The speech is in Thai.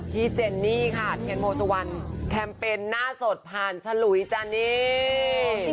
พี่เจนนี่ค่ะเทียนโมสวันแคมเป็นหน้าสดผ่านฉลุยจานนี้